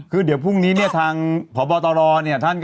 คือเดี๋ยวพรุ่งนี้ทางพรตร